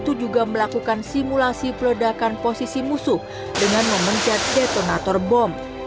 itu juga melakukan simulasi peledakan posisi musuh dengan memencet detonator bom